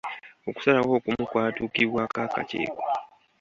Okusalawo okumu kwatuukibwako akakiiko.